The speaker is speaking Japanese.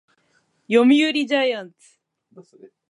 読売ジャイアンツ